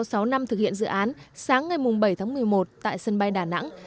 sau sáu năm thực hiện dự án sáng ngày bảy tháng một mươi một tại sân bay đà nẵng